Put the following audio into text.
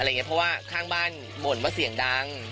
เพราะว่าข้างบ้านบ่นว่าเสียงดัง